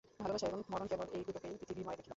ভালোবাসা এবং মরণ কেবল এই দুটোকেই পৃথিবীময় দেখিলাম।